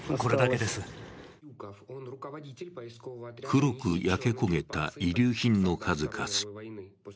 黒く焼け焦げた遺留品の数々。